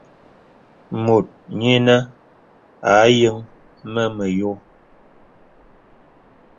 Mùt yīnə à yəŋ mə məyō.